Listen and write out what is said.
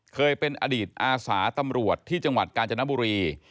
เคยเป็นอดีตอาสาตำรวจที่จังหวัดกาญจนบุรี